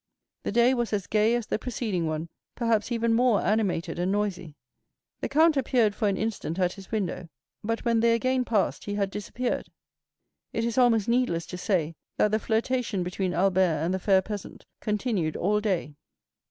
The day was as gay as the preceding one, perhaps even more animated and noisy; the count appeared for an instant at his window, but when they again passed he had disappeared. It is almost needless to say that the flirtation between Albert and the fair peasant continued all day.